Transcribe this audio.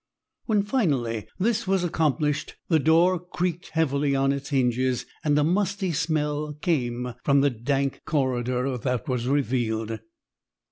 When finally this was accomplished the door creaked heavily on its hinges and a musty smell came from the dank corridor that was revealed.